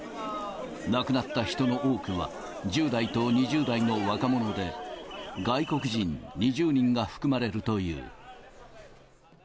亡くなった人の多くは、１０代と２０代の若者で、外国人２０人が含まれるという。